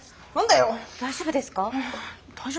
大丈夫ですか？